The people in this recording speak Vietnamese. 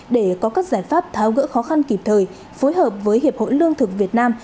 để có các giải pháp tháo gỡ khó khăn kịp thời phối hợp với hiệp hội lương thực việt nam